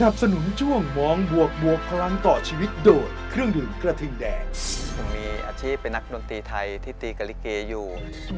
ผมมีอาชีพเป็นนักดนตรีไทยที่ตีกับลิเกอยู่